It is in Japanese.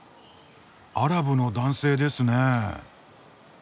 アラブの男性ですね。